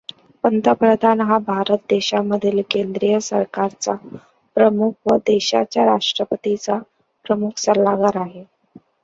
पंतप्रधान हा भारत देशामधील केंद्रीय सरकारचा प्रमुख व देशाच्या राष्ट्रपतीचा प्रमुख सल्लागार आहे.